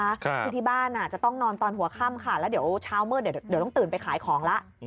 คือที่บ้านอ่ะจะต้องนอนตอนหัวค่ำค่ะแล้วเดี๋ยวเช้ามืดเดี๋ยวต้องตื่นไปขายของแล้ว